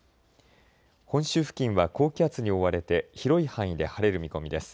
本州付近は高気圧に覆われて広い範囲で晴れる見込みです。